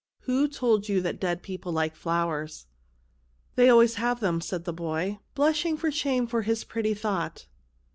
Who told you that dead people like flowers ?" "They always have them," said the boy, blushing for shame of his pretty thought.